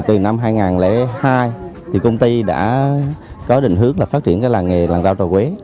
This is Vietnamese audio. từ năm hai nghìn hai công ty đã có định hướng phát triển làng nghề làng rau trà quế